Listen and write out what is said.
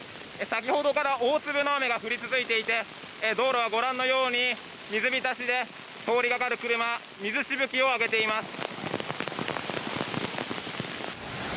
先ほどから大粒の雨が降り続いていて道路はご覧のように水浸しで通りかかる車水しぶきを上げています。